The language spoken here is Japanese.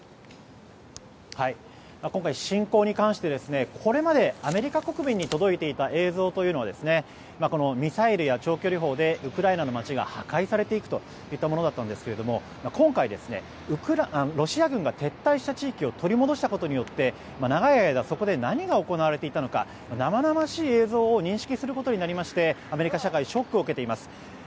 今回、侵攻に関してこれまでアメリカ国民に届いていた映像というのはミサイルや長距離砲でウクライナの街が破壊されていくといったものでしたが今回、ロシア軍が撤退した地域を取り戻したことによって長い間、そこで何が行われていたのか生々しい映像を認識することになりましてアメリカ社会ショックを受けています。